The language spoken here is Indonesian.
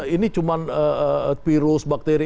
ini cuma virus bakteri